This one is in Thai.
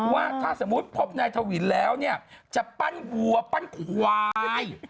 ว่าถ้าสมมุติพบนายทวินแล้วเนี่ยจะปั้นวัวปั้นควาย